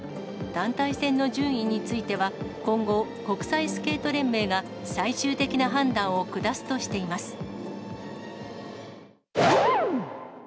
団体戦の順位については、今後、国際スケート連盟が最終的な判断を下すとしています。